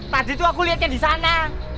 tadi tuh aku liatnya di sana